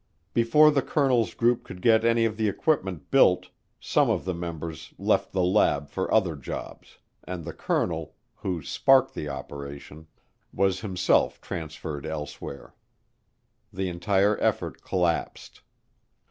Before the colonel's group could get any of the equipment built, some of the members left the lab for other jobs, and the colonel, who sparked the operation, was himself transferred elsewhere. The entire effort collapsed.